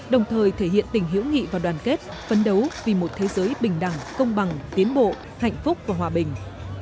đồng thời thể hiện tình hữu nghị và đoàn kết phấn đấu vì một thế giới bình đẳng công bằng tiến bộ hạnh phúc và hòa bình